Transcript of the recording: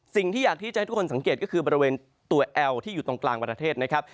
สิ่งที่อยากที่จะให้ทุกคนสังเกตก็คือบริเวณตัวแอลที่อยู่ตรงกลางประเทศนะครับ